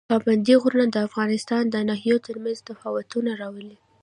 پابندي غرونه د افغانستان د ناحیو ترمنځ تفاوتونه راولي.